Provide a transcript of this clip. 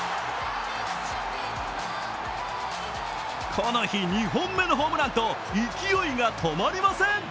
この日２本目のホームランと勢いが止まりません。